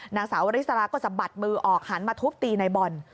นางสาววริสราก็สะบัดมือออกหันมาทุบตีในบอล